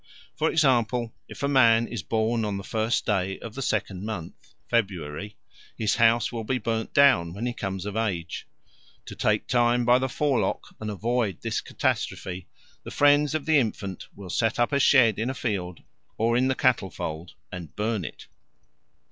For example, if a man is born on the first day of the second month (February), his house will be burnt down when he comes of age. To take time by the forelock and avoid this catastrophe, the friends of the infant will set up a shed in a field or in the cattle fold and burn it.